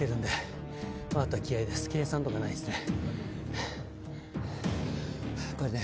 計算とかないっすね。